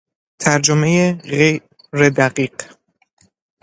ترجمهی غیردقیق